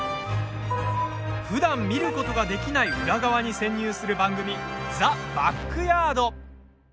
ふだん、見ることができない裏側に潜入する番組「ザ・バックヤード」